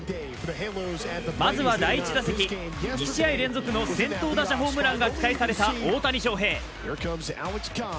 まずは第１打席、２試合連続の先頭打者ホームランが期待された大谷翔平。